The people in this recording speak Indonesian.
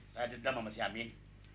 saya dendam sama si amin